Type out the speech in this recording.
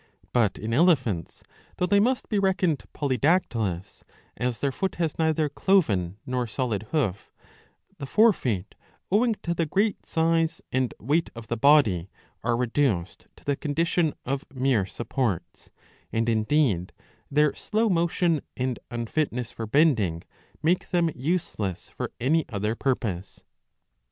But in elephants, though they must be reckoned polydactylous, as their foot has neither cloven nor solid hoof,^ the fore feet, owing to the great size and weight of the body, are reduced to the condition of mere supports ; and indeed their slow motion and''' unfitness for bending make them useless for any other purpose.